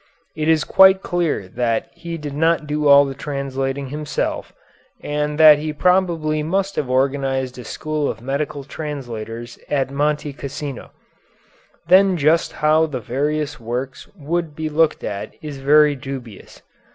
It is quite clear that he did not do all the translating himself, and that he probably must have organized a school of medical translators at Monte Cassino. Then just how the various works would be looked at is very dubious.